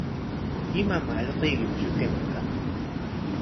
¿Imam allquykipa shutinqa?